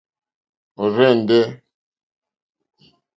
Ɔ̀rzɛ̀ndɛ́.